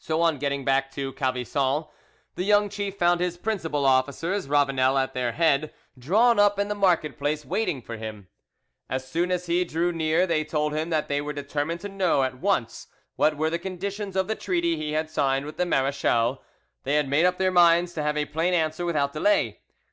So, on getting back to Calvisson, the young chief found his principal officers, Ravanel at their head, drawn up in the market place, waiting for him. As soon as he drew near they told him that they were determined to know at once what were the conditions of the treaty he had signed with the marechal; they had made up their minds to have a plain answer without delay.